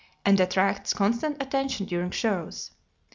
and attracts constant attention during shows.